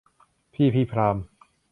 พีพี ไพร์ม